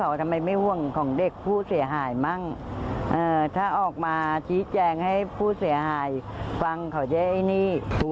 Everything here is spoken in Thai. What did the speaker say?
ล่าสุดวันนี้ที่มีการออกหมายจับเพิ่ม